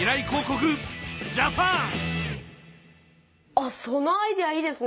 あっそのアイデアいいですね！